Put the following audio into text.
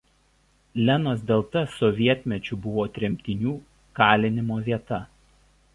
Lenos delta sovietmečiu buvo tremtinių kalinimo vieta.